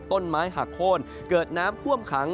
ต้นไม้หักโค้นเกิดน้ำท่วมขัง